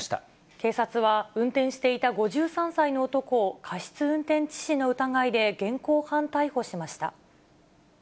警察は運転していた５３歳の男を過失運転致死の疑いで現行犯逮捕しました。